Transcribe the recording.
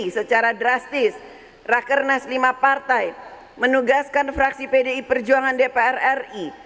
secara drastis rakernas lima partai menugaskan fraksi pdi perjuangan dpr ri